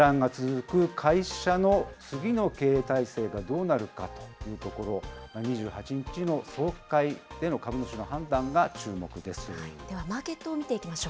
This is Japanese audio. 混乱が続く会社の次の経営体制がどうなるかというところ、２８日の総会での株主ではマーケットを見ていきま